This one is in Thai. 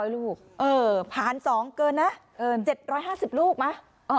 ๕๐๐ลูกเออหารสองเกินนะ๗๕๐ลูกมั้ย